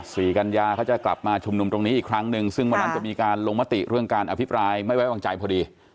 กัญญาเขาจะกลับมาชุมนุมตรงนี้อีกครั้งหนึ่งซึ่งวันนั้นจะมีการลงมติเรื่องการอภิปรายไม่ไว้วางใจพอดี